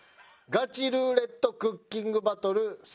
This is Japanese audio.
ガチルーレットクッキングバトルスタート！